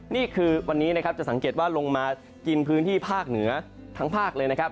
นี่คือวันนี้นะครับจะสังเกตว่าลงมากินพื้นที่ภาคเหนือทั้งภาคเลยนะครับ